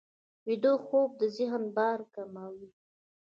ویده خوب د ذهن بار کموي